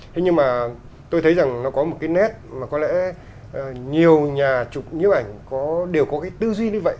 thế nhưng mà tôi thấy rằng nó có một cái nét mà có lẽ nhiều nhà chụp nhiếp ảnh đều có cái tư duy như vậy